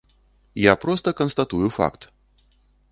Я проста канстатую факт.